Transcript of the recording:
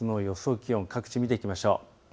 気温、各地見ていきましょう。